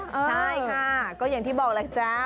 ใช่ค่ะก็อย่างที่บอกแหละจ้า